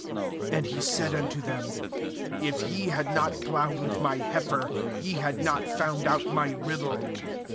And he said unto them: If ye had not plowed with my heifer, Ye had not found out my riddle.